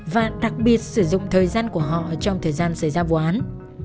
và đặc biệt sử dụng thời gian của họ trong thời gian xảy ra vụ án